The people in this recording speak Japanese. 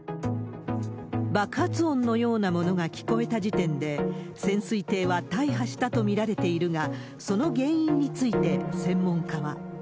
爆発音のようなものが聞こえた時点で、潜水艇は大破したと見られているが、その原因について専門家は。